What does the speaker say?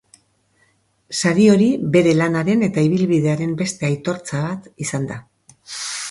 Sari hori bere lanaren eta ibilbidearen beste aitortza bat izan da.